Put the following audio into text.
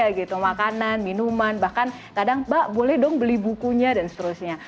mereka mengingatkan kekuasaan saya gitu makanan minuman bahkan kadang pak boleh dong beli bukunya dan seterusnya